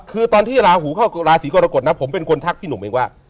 คือตอนที่ราหูเข้าราศีกรกฎนะผมเป็นคนทักพี่หนุ่มเองว่า